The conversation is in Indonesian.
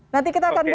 oke terima kasih